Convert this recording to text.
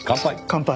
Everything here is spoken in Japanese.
乾杯。